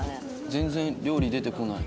全然料理出てこない。